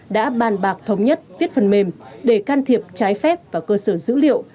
đã bàn bạc thống nhất viết phần mềm để can thiệp trái phép vào cơ sở dữ liệu